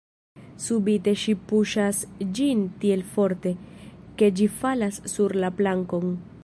Subite ŝi puŝas ĝin tiel forte, ke ĝi falas sur la plankon.